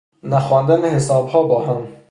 نخواندن حسابها با هم